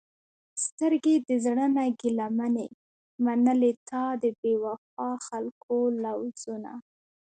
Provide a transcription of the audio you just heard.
سترګې د زړه نه ګېله منې، منلې تا د بې وفاء خلکو لوظونه